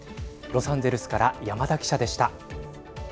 ロサンゼルスから山田記者でした。